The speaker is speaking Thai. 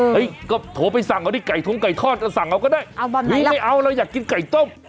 เฮ้ยก็โทรไปสั่งเอาที่ไก่ท้มไก่ทอดสั่งเอาก็ได้หรือไม่เอาเราอยากกินไก่ต้ม